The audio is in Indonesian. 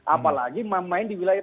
apalagi main di wilayah